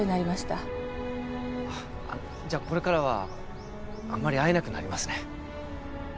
あっじゃあこれからはあんまり会えなくなりますね。